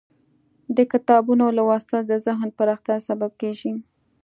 د کتابونو لوستل د ذهن پراختیا سبب کیږي.